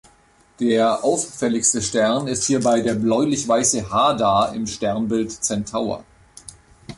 Der auffälligste Stern ist hierbei der bläulich-weiße Hadar im Sternbild Zentaur.